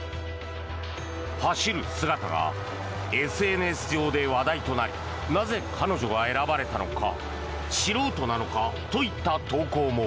走る姿がＳＮＳ上で話題となりなぜ彼女が選ばれたのか素人なのかといった投稿も。